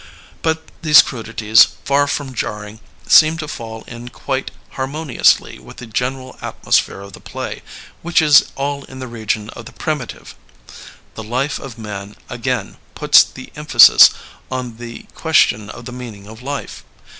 Bnt these crudities, far from jarring, seem to fall in quite harmoniously with the general atmosphere of the play, which is all in the region of the primitive. The Life of Mem again puts the emphasis on the question of the meaning of life.